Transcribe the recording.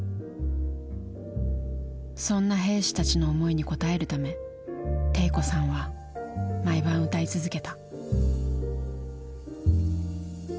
そんな兵士たちの思いに応えるため悌子さんは毎晩歌い続けた。